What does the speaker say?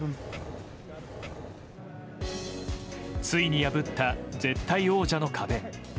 ついに破った絶対王者の壁。